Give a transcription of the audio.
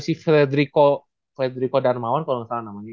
si federico darmawan kalau gak salah namanya